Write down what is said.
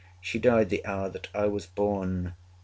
She died the hour that I was born.